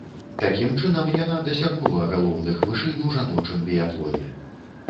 Такім чынам, яна дасягнула галоўных вышынь у жаночым біятлоне.